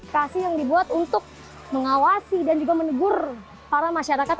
kasih yang dibuat untuk mengawasi dan juga menegur para masyarakat